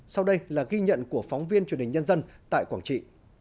sau đây là ghi nhận của phóng viên truyền hình nhân dân tại quảng trị